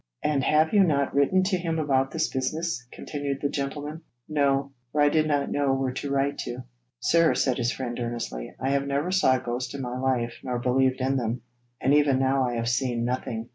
'And have you not written to him about this business?' continued the gentleman. 'No; for I did not know where to write to.' 'Sir,' said his friend earnestly, 'I never saw a ghost in my life, nor believed in them; and even now I have seen nothing.